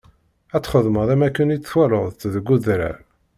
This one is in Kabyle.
Ad txedmeḍ am akken i t-twalaḍ-t deg udrar.